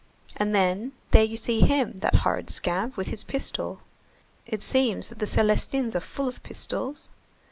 And then, there you see him, that horrid scamp, with his pistol! It seems that the Célestins are full of pistols.